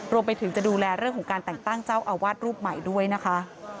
รวมไปถึงจะดูแลเรื่องของการแต่งตั้งเจ้าอาวาสรูปใหม่ด้วยนะคะ